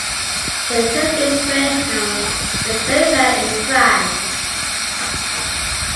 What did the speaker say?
The Turkish greyhound is very rare in France.